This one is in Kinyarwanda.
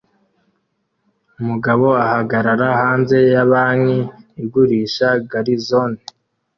umugabo ahagarara hanze ya banki igurisha garizone